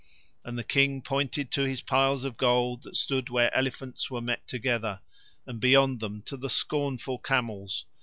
And the King pointed to his piles of gold that stood where elephants were met together, and beyond them to the scornful camels.